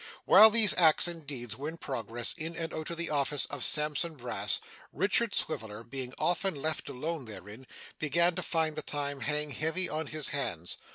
While these acts and deeds were in progress in and out of the office of Sampson Brass, Richard Swiveller, being often left alone therein, began to find the time hang heavy on his hands.